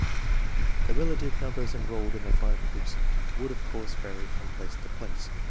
/The rela » 3ve numbers" enrolled in the five groups would of course vary from place Jx> place.